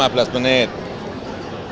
pak hari ini ingin pakai kaos